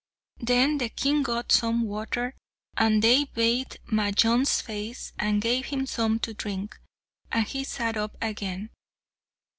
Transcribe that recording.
Then the King got some water, and they bathed Majnun's face and gave him some to drink, and he sat up again.